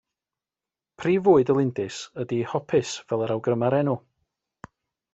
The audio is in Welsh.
Prif fwyd y lindys ydy hopys fel yr awgryma'r enw.